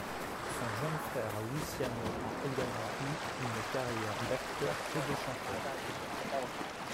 Son jeune frère Luciano a également eu une carrière d'acteur et de chanteur.